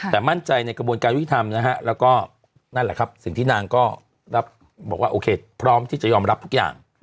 แต่มั่นใจในกระบวนการยุทธิธรรมนะฮะแล้วก็นั่นแหละครับสิ่งที่นางก็บอกว่าโอเคพร้อมที่จะยอมรับทุกอย่าง